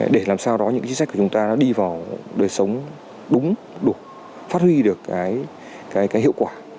để làm sao đó những chiếc xe của chúng ta đi vào đời sống đúng đủ phát huy được cái hiệu quả